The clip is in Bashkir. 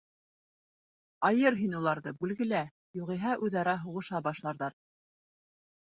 Айыр һин уларҙы, бүлгелә, юғиһә үҙ-ара һуғыша башларҙар.